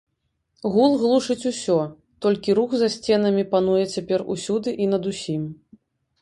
Гул глушыць усё, толькі рух за сценамі пануе цяпер усюды і над усім.